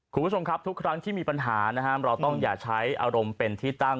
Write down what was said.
คุณผู้ชมครับทุกครั้งที่มีปัญหานะครับเราต้องอย่าใช้อารมณ์เป็นที่ตั้ง